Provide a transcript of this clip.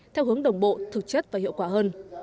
theo hướng đồng bộ thực chất và hiệu quả hơn